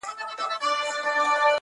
له درنو درنوبارو وم تښتېدلی -